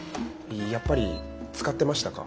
やっぱり使ってましたか？